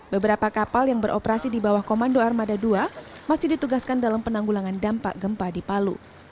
beberapa kapal yang beroperasi di bawah komando armada dua masih ditugaskan dalam penanggulangan dampak gempa di palu